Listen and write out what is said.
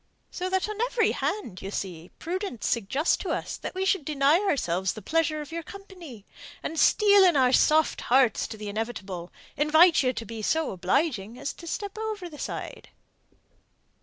So that on every hand, you see, prudence suggests to us that we should deny ourselves the pleasure of your company, and, steeling our soft hearts to the inevitable, invite you to be so obliging as to step over the side."